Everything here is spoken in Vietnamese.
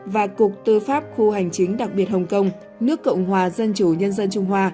và cục tư pháp khu hành chính đặc biệt hồng kông nước cộng hòa dân chủ nhân dân trung hoa